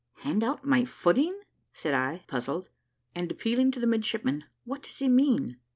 "Hand out my footing!" said I, puzzled, and appealing to the midshipman; "what does he mean?"